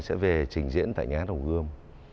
sẽ về trình diễn tại nhà hồ gươm